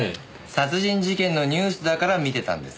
殺人事件のニュースだから見てたんです。